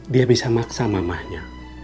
dia bisa maksa mamahnya